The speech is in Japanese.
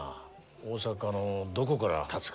大阪のどこからたつか。